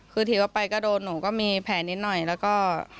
คือถีบเข้าไปก็โดนหนูก็มีแผลนิดหน่อยแล้วก็